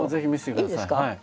はい。